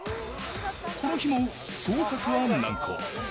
この日も捜索は難航。